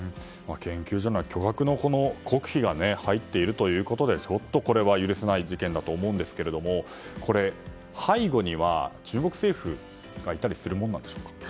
研究所には巨額の国費が入っているということでちょっとこれは許せない事件だと思うんですがこれ、背後には中国政府がいたりするものなんですか？